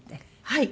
はい。